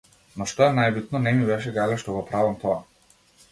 Но што е најбитно, не ми беше гајле што го правам тоа.